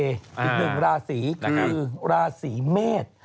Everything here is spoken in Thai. อีกหนึ่งราศีคือราศีเมษ